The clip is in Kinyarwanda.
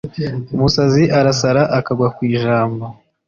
Umusazi arasara akagwa ku ijambo.